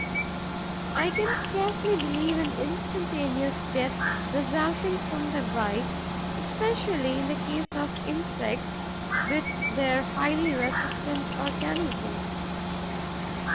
I can scarcely believe in instantaneous death resulting from the bite, especially in the case of insects, with their highly resistant organisms.